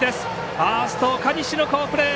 ファースト岡西の好プレー。